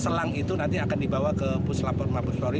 selang itu nanti akan dibawa ke puslapor mabes polri